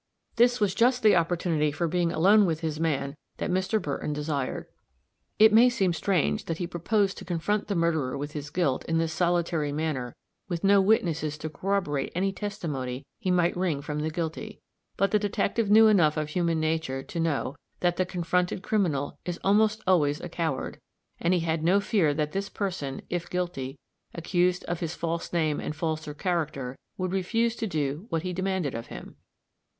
This was just the opportunity for being alone with his man that Mr. Burton desired. It may seem strange that he proposed to confront the murderer with his guilt in this solitary manner with no witnesses to corroborate any testimony he might wring from the guilty; but the detective knew enough of human nature to know that the confronted criminal is almost always a coward, and he had no fear that this person, if guilty, accused of his false name and falser character, would refuse to do what he demanded of him.